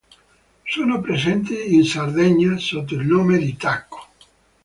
Sono presenti in Sardegna sotto il nome di tacco.